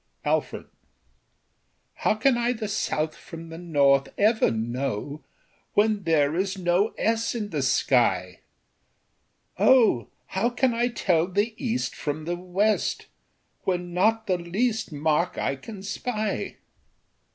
ALFRED. "How can I the south from the north ever know, When there is no S in the sky; Oh! how can I tell the east from the west, When not the least mark I can spy?"